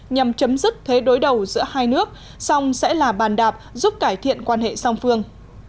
nhằm chấm dứt thế đối đầu giữa hai nước song sẽ là bàn đạp giúp cải thiện quan hệ song phương